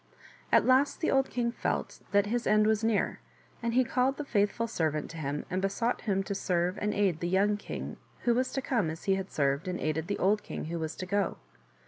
At last the old king felt that his end was near, and he called the faith ful servant to him and besought him to serve and aid the young king who was to come as he had served and aided the old king who was to go.